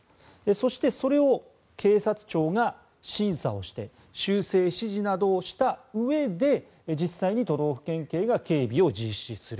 そして、それを警察庁が審査をして修正・指示などをしたうえで実際に都道府県警が警備を実施する。